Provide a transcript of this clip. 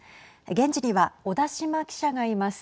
現地には小田島記者がいます。